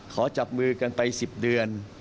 ขอจับมือกันไป๑๐เดือน